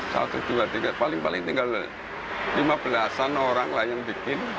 satu dua tiga paling paling tinggal lima belasan orang lah yang bikin